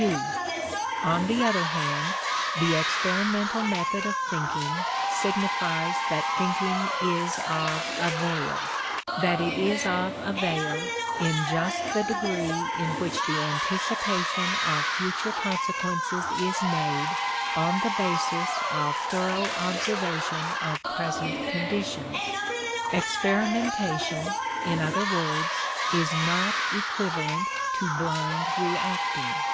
(ii) On the other hand, the experimental method of thinking signifies that thinking is of avail; that it is of avail in just the degree in which the anticipation of future consequences is made on the basis of thorough observation of present conditions. Experimentation, in other words, is not equivalent to blind reacting.